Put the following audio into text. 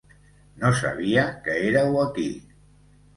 No sabia que éreu aquí.